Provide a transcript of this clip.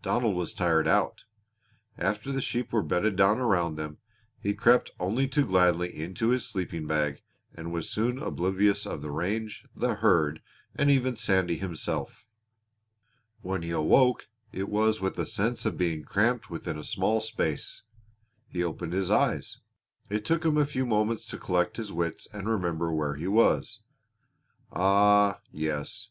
Donald was tired out. After the sheep were bedded down around them, he crept only too gladly into his sleeping bag and was soon oblivious of the range, the herd, and even Sandy himself. When he awoke it was with a sense of being cramped within a small space. He opened his eyes. It took him a few moments to collect his wits and remember where he was. Ah, yes!